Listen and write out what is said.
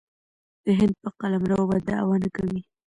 د هند په قلمرو به دعوه نه کوي.